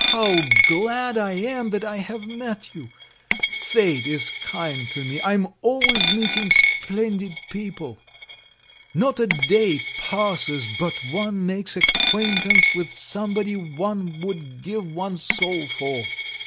How glad I am that I have met you! Fate is kind to me, I am always meeting splendid people. Not a day passes but one makes acquaintance with somebody one would give one's soul for.